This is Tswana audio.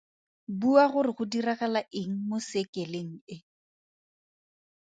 Bua gore go diragala eng mo sekeleng e.